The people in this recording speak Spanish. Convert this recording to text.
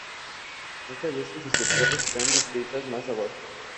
Muchas de estas estructuras están descritas más abajo.